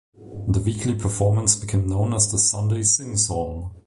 The weekly performance became known as the "Sunday Sing Song".